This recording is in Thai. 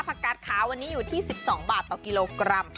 กาดขาววันนี้อยู่ที่๑๒บาทต่อกิโลกรัม